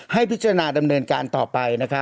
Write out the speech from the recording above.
ให้พิจารณาดำเนินการต่อไป